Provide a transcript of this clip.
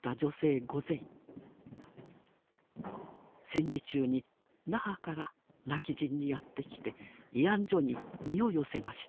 戦時中に那覇から今帰仁にやって来て慰安所に身を寄せました。